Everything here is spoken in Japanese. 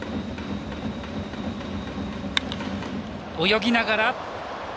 泳ぎながら。